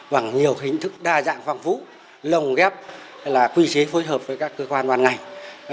bằng nhiều hình thức đa dạng phong phú lồng ghép là quy chế phối hợp với các cơ quan ban ngành